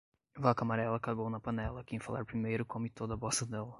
Vaca amarela cagou na panela quem falar primeiro come toda bosta dela.